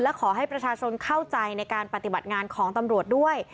และขอให้ประชาชนเข้าใจในการปฏิบัติงานของตำรวจด้วย